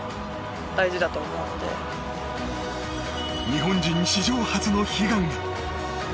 日本人史上初の悲願へ。